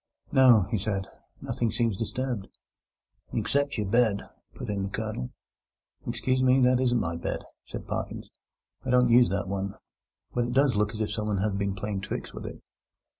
"No," he said, "nothing seems disturbed." "Except your bed," put in the Colonel. "Excuse me, that isn't my bed," said Parkins. "I don't use that one. But it does look as if someone had been playing tricks with it."